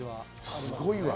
すごいわ。